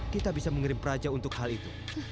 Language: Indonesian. kita bisa mengirim peraja untuk hal itu